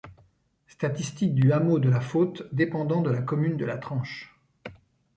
Statistiques du hameau de La Faute dépendant de la commune de La Tranche.